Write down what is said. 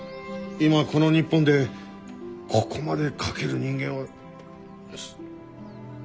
今この日本でここまで描ける人間は。